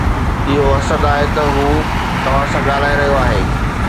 اهو حسد آهي ته هو توهان سان ڳالهائي رهيو آهي